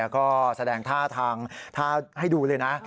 ก็แสดงท่าทางถ้าให้ดูเลยนะ